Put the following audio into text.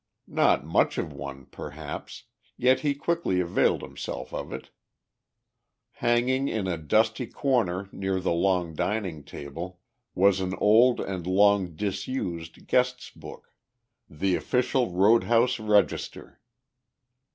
Not much of one, perhaps, yet he quickly availed himself of it. Hanging in a dusty corner near the long dining table, was an old and long disused guest's book, the official road house register.